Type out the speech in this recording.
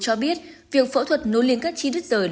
cho biết việc phẫu thuật nối liên các chi đất rời